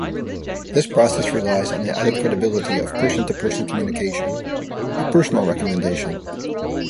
This process relies on the added credibility of person-to-person communication, a personal recommendation.